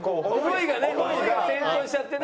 思いが先行しちゃってね。